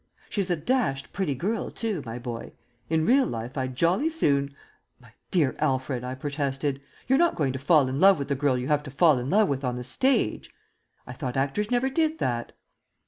She's a dashed pretty girl, too, my boy. In real life I'd jolly soon " "My dear Alfred," I protested, "you're not going to fall in love with the girl you have to fall in love with on the stage? I thought actors never did that."